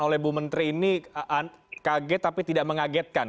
oleh bu menteri ini kaget tapi tidak mengagetkan